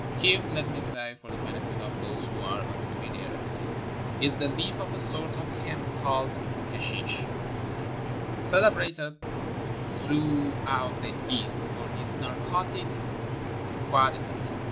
Kiff, let me say for the benefit of those who are un familiar with it, is the leaf of a sort of hemp called hashish, celebrated throughout the East for its narcotic quaUties.